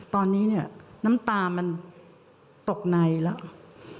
ตอนนี้น้ำตามันตกในแล้ว